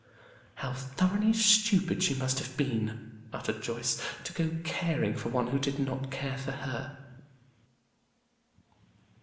"How thoroughly stupid she must have been!" uttered Joyce, "to go caring for one who did not care for her."